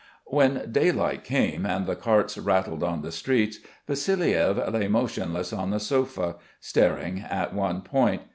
When daylight came and the carts rattled on the streets, Vassiliev lay motionless on the sofa, staring at one point.